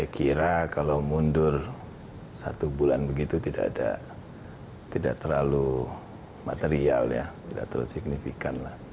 kira kalau mundur satu bulan begitu tidak terlalu material tidak terlalu signifikan